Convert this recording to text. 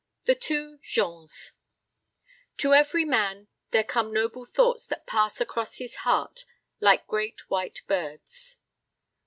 THE TWO JEANS "To every man there come noble thoughts that pass across his heart like great white birds."